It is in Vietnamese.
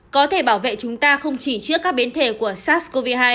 có thể bảo vệ chúng ta không chỉ trước các biến thể của sars cov hai